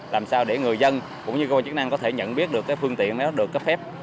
làm sao để người dân cũng như cơ quan chức năng có thể nhận biết được cái phương tiện nếu được cấp phép